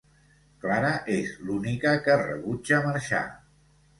Clara és l'única que rebutja marxar.